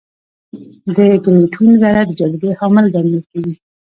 د ګرویتون ذره د جاذبې حامل ګڼل کېږي.